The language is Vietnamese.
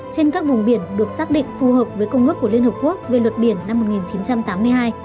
trên các vùng biển được xác định phù hợp với công ước của liên hợp quốc về luật biển năm một nghìn chín trăm tám mươi hai